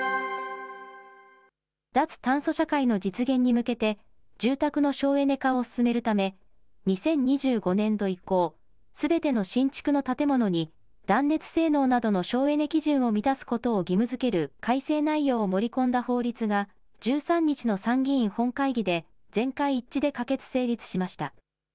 脱炭素社会の実現に向けて、住宅の省エネ化を進めるため、２０２５年度以降、すべての新築の建物に、断熱性能などの省エネ基準を満たすことを義務づける改正内容を盛り込んだ法律が１３日の参議院本会議で全会一致で可決・成立しました。